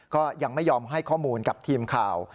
ก็ยังไม่ยอมให้ข้อมูลกับทีมข่าว